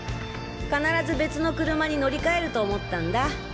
必ず別の車に乗り換えると思ったんだ。